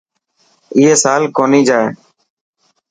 اي سال ڪونهي جائي.